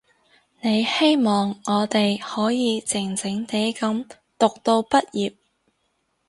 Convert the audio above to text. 你希望我哋可以靜靜地噉讀到畢業